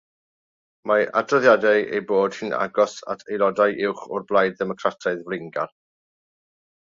Mae adroddiadau ei bod hi'n agos at aelodau uwch o'r Blaid Ddemocrataidd Flaengar.